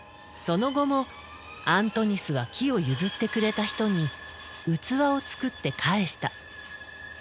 その後もアントニスは木を譲ってくれた人に器を作って返した。